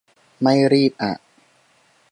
ไม่รีบอะ